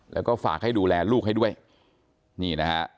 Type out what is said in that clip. แล้วก็ฝากให้ดูแลลูกให้ด้วยนี่นะฮะ